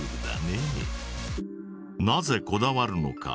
なぜこだわるのか？